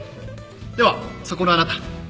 ではそこのあなた